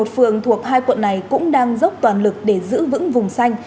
một mươi một phường thuộc hai quận này cũng đang dốc toàn lực để giữ vững vùng xanh